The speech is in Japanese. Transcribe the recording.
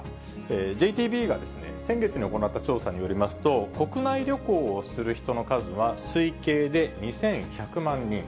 ＪＴＢが先月に行った調査によりますと、国内旅行をする人の数は、推計で２１００万人。